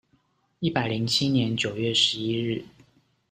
一百零七年九月十一日